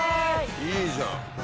いいじゃん。